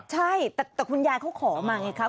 ใช่แต่คุณยายเขาขอมาไงครับ